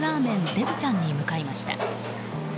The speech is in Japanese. でぶちゃんに向かいました。